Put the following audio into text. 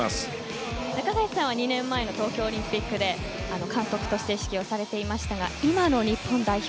中垣内さんは２年前の東京オリンピックで監督として指揮をされていましたが今の日本代表